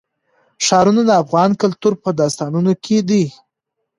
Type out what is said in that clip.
ښارونه د افغان کلتور په داستانونو کې دي.